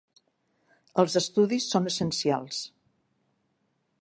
Els estudis són essencials.